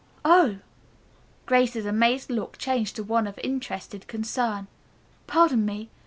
"Oh," Grace's amazed look changed to one of interested concern, "pardon me.